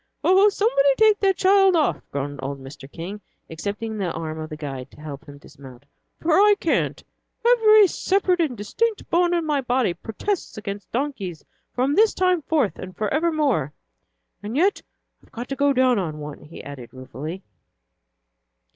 "Oh, somebody take that child off," groaned old Mr. King, accepting the arm of the guide to help him dismount, "for I can't. Every separate and distinct bone in my body protests against donkeys from this time forth and forevermore. And yet I've got to go down on one," he added ruefully.